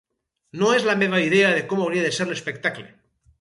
No és la meva idea de com hauria de ser l'espectacle.